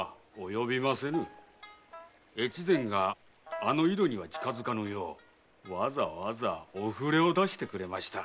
越前があの井戸には近づかぬようわざわざお触れを出しました。